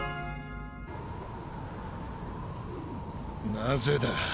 なぜだ。